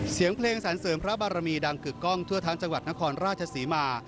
เสียงเพลงสรรเสริมพระบารมีดังกึกกล้องทั่วทั้งจังหวัดนครราชศรีมา